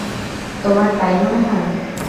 তোমার তাই মনে হয়?